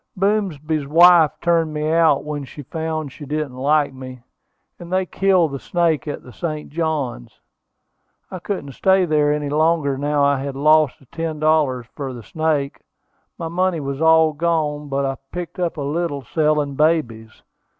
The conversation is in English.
Boomsby's wife turned me out when she found she didn't like me, and they killed the snake at the St. Johns. I couldn't stay there any longer now I had lost the ten dollars for the snake. My money was all gone; but I picked up a little selling babies."